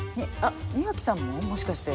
庭木さんももしかして。